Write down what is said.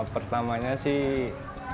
pertamanya sih paradis kekurangan